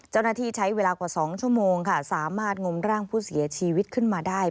เจ้าหน้าที่ใช้เวลากว่า๒ชั่วโมงค่ะสามารถงมร่างผู้เสียชีวิตขึ้นมาได้